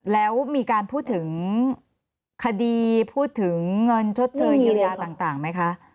แล้วมีการพูดถึงคดีพูดถึงเงินชดเชยเยียวยาต่างไหมคะ